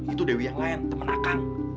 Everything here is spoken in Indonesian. itu dewi yang lain temen akan